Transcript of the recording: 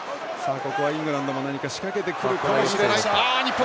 ここはイングランドも何か仕掛けてくるかもしれない。